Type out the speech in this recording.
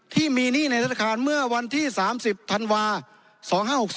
ที่มีหนี้ในธนาคารเมื่อวันที่๓๐ธันวา๒๕๖๒